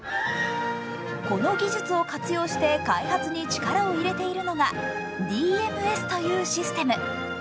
この技術を活用して開発に力を入れているのがＤＭＳというシステム。